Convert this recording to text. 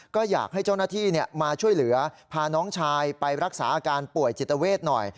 ก็อยากให้เจ้าหน้าที่มาช่วยเหลือพาน้องชายไปรักษาอาการป่วยจิตเวทหน่อย